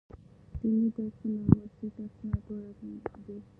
ديني درسونه او عصري درسونه دواړه اړين دي.